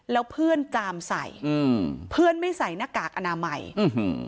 แล้วเพื่อนจามใส่อืมเพื่อนไม่ใส่หน้ากากอนามัยอื้อหือ